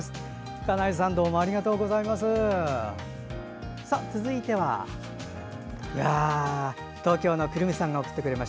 金井さんどうもありがとうございます。